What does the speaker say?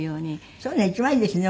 そういうのが一番いいですね。